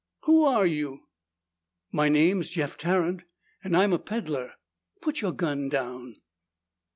"Who are you?" "My name's Jeff Tarrant and I'm a peddler. Put your gun down."